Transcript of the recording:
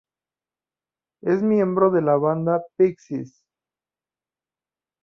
Es miembro de la banda Pixies.